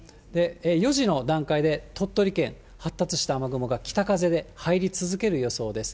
４時の段階で、鳥取県、発達した雨雲が、北風で入り続ける予想です。